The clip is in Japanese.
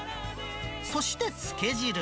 そしてつけ汁。